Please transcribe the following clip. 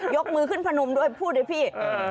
ยกมือขึ้นพนมด้วยพูดเลยพี่